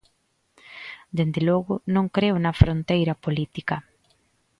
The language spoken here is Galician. Desde logo, non creo na fronteira política.